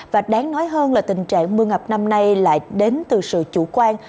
và đáng nói hơn là tình trạng mưa ngập năm nay lại đến từ sự chủ quan